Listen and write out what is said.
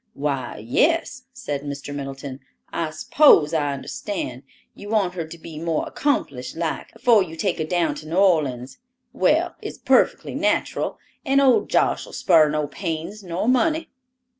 "Why, yes," said Mr. Middleton; "I s'pose I understand; you want her to be more accomplished like, afore you take her down to New Orleans. Well, it's perfectly nateral, and old Josh'll spar no pains nor money."